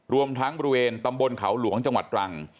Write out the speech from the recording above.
รวมทั้งบริเวณตำบลเขาหลวงจังหวัดตรัง